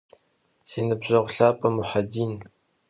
Si nıbjeğu lhap'e Muhedin!